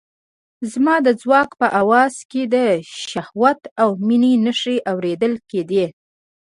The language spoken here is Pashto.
زما د ځواب په آواز کې د شهوت او مينې نښې اورېدل کېدې.